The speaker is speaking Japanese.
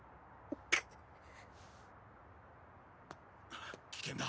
あぁ危険だ。